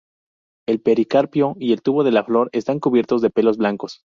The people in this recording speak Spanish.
El pericarpio y el tubo de la flor están cubiertos de pelos blancos.